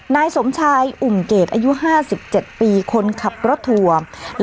นายสมชายอุ่มเกตอายุห้าสิบเจ็ดปีคนขับรถทัวร์